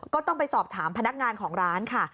ก็ต้องไปสอบถามพนักงานของร้านค่ะ